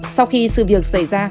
sau khi sự việc xảy ra